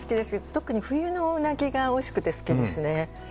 特に冬のウナギがおいしくて好きですね。